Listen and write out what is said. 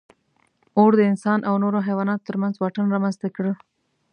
اور د انسان او نورو حیواناتو تر منځ واټن رامنځ ته کړ.